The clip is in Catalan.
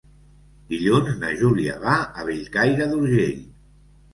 Dilluns na Júlia va a Bellcaire d'Urgell.